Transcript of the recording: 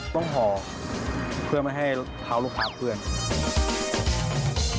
ห่อเพื่อไม่ให้เขาลูกค้าเพื่อน